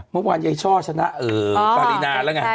เมื่อวานยายช่อชนะปารีนาแล้วไง